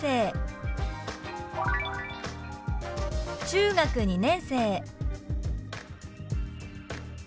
「中学２年生」。